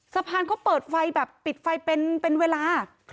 สะพานเขาเปิดไฟแบบปิดไฟเป็นเวลา